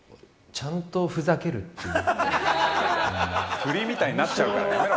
振りみたいになっちゃうからやめろ！